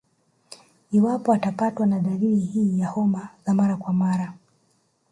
Iwapo utapatwa na dalili hii ya homa za mara kwa mara